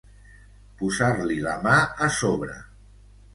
Posar-li la mà a sobre.